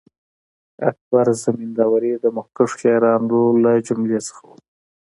اکبر زمینداوری د مخکښو شاعرانو له جملې څخه وو.